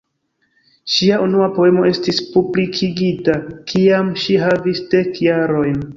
Ŝia unua poemo estis publikigita kiam ŝi havis dek jarojn.